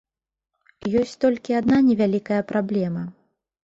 Ёсць толькі адна невялікая праблема.